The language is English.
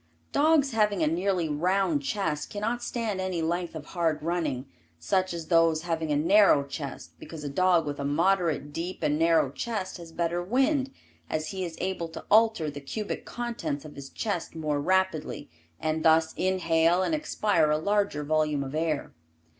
Dogs having a nearly round chest cannot stand any length of hard running, such as those having a narrow chest because a dog with a moderate deep and narrow chest has better wind as he is able to alter the cubic contents of his chest more rapidly and thus inhale and expire a larger volume of air.